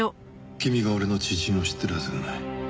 君が俺の知人を知ってるはずがない。